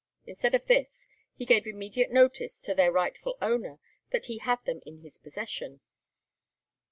Instead of this, he gave immediate notice to their rightful owner that he had them in his possession.